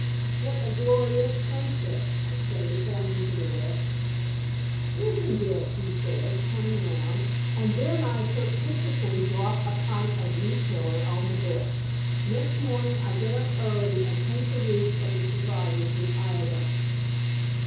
"What a glorious sunset," I say, pointing to the west. "Isn't it?" he says, turning round; and then I surreptitiously drop a pint of weed killer on the bed. Next morning I get up early and paint the roots of the survivors with iodine.